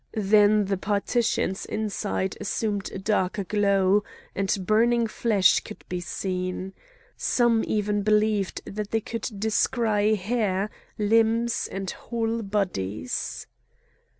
Then the partitions inside assumed a darker glow, and burning flesh could be seen. Some even believed that they could descry hair, limbs, and whole bodies.